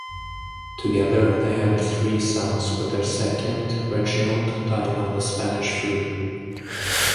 Together they had three sons with their second, Reginald, dying of the Spanish flu.